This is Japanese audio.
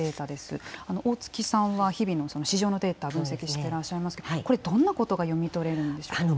大槻さんは日々の市場のデータを分析してらっしゃいますけどこれどんなことが読み取れるんでしょうか？